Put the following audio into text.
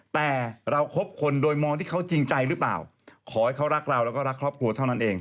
แต่เราคบคนโดยมองที่เขาจริงใจหรือเปล่าขอให้เขารักเราแล้วก็รักครอบครัวเท่านั้นเอง